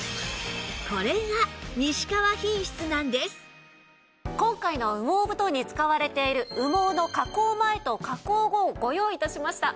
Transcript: これが今回の羽毛布団に使われている羽毛の加工前と加工後をご用意致しました。